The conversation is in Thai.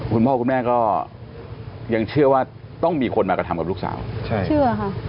คุณพ่อคุณแม่ก็ยังเชื่อว่าต้องมีคนมากระทำกับลูกสาวใช่เชื่อค่ะ